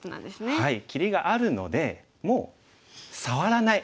切りがあるのでもう触らない。